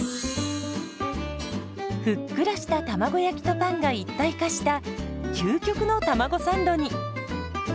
ふっくらした卵焼きとパンが一体化した究極のたまごサンドに。